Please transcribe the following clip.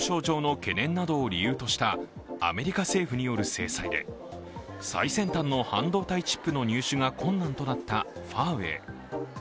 安全保障上の懸念などを理由としたアメリカ政府による制裁で最先端の半導体チップの入手が困難となったファーウェイ。